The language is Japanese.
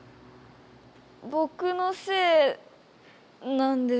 ぼくのせいなんです。